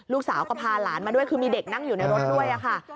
ลูกสาวก็พาหลานมาด้วยคือมีเด็กนั่งอยู่ในรถด้วยค่ะ